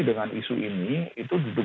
dengan isu ini itu duduk